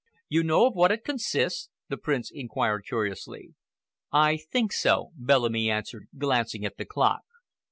"You know of what it consists?" the Prince inquired curiously. "I think so," Bellamy answered, glancing at the clock.